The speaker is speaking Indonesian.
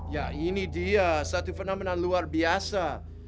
ya ini dia satu fenomena luar biasa